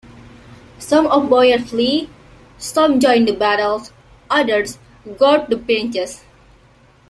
Some of the boyars flee; some join the battle, others guard the Princess.